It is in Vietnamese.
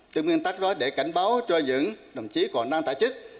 tương nguyên tác đó để cảnh báo cho những đồng chí còn đang tài chức